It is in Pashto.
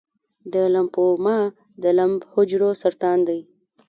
د لمفوما د لمف حجرو سرطان دی.